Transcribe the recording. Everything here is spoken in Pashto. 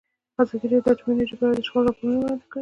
ازادي راډیو د اټومي انرژي په اړه د شخړو راپورونه وړاندې کړي.